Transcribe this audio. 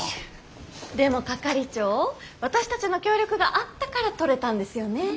でも係長私たちの協力があったから取れたんですよね。